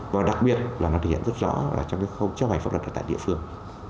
và đặc biệt là nó thể hiện rất rõ trong cái khâu chấp hành pháp luật ở tại địa phương